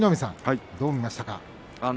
どう見ましたか。